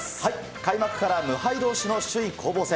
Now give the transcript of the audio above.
開幕から無敗どうしの首位攻防戦。